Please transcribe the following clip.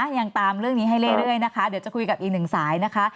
ยังตามเรื่องนี้ให้เรื่อยนะคะเดี๋ยวจะคุยกับอีกหนึ่งสายนะคะ